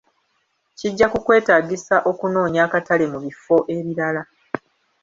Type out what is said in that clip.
Kijja kukwetaagisa okunoonya akatale mu bifo ebirala.